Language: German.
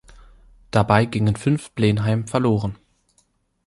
Dabei gingen fünf Blenheim verloren.